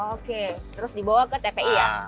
oke terus dibawa ke tpi ya